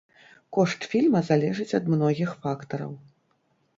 Кошт фільма залежыць ад многіх фактараў.